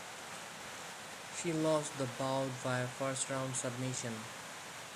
She lost the bout via first round submission.